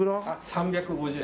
３５０円。